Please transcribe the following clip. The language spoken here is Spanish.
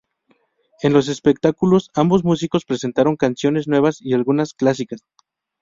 En los espectáculos, ambos músicos presentaron canciones nuevas y algunas clásicas.